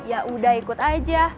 yaudah ikut aja